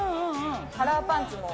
カラーパンツも。